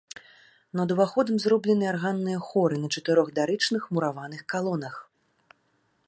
Над уваходам зроблены арганныя хоры на чатырох дарычных мураваных калонах.